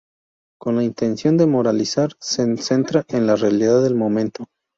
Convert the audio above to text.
Con la intención de moralizar, se centra en la realidad del momento.